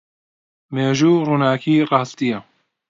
مێژوو ڕووناکیی ڕاستییە.